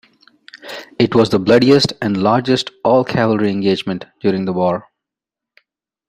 It was the bloodiest and largest all-cavalry engagement during the war.